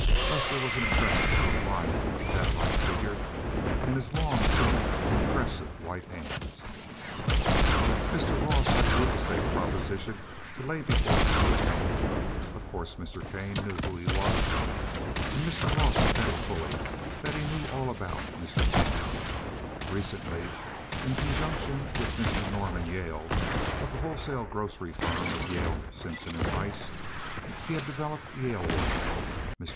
Lester was impressed with his lithe, cat like figure, and his long, thin, impressive white hands. Mr. Ross had a real estate proposition to lay before Mr. Kane. Of course Mr. Kane knew who he was. And Mr. Ross admitted fully that he knew all about Mr. Kane. Recently, in conjunction with Mr. Norman Yale, of the wholesale grocery firm of Yale, Simpson & Rice, he had developed "Yalewood." Mr.